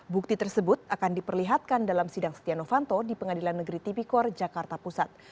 bukti tersebut akan diperlihatkan dalam sidang setia novanto di pengadilan negeri tipikor jakarta pusat